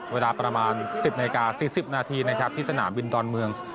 เวลาประมาณ๑๐นาฬิกา๔๐นาทีนะครับที่สนามบินดอนเมือง